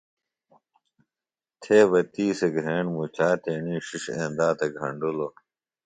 تھے بہ تی سےۡ گھِرینڈ مُچا تیݨی ݜݜ اندا تھےۡ گھنڈِلوۡ